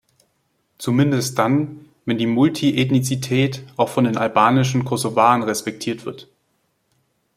Zumindest dann, wenn die Multiethnizität auch von den albanischen Kosovaren respektiert wird.